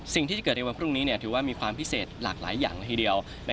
สิ่งที่จะเกิดในวันพรุ่งนี้ถือว่ามีความพิเศษหลากหลายอย่างละทีเดียว